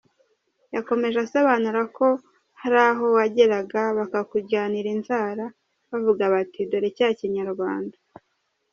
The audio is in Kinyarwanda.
Yakomeje asobanura ko hari aho wageraga bakakuryanira inzara, bavuga bati dore ‘cya Kinyarwanda’.